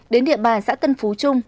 đến địa bàn xã tân phú trung